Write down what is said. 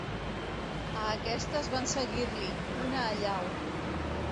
A aquestes van seguir-li, una allau.